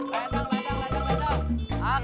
ledang ledang ledang